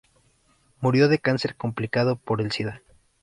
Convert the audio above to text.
Murió de cáncer complicado por el Sida.